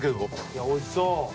いやおいしそう。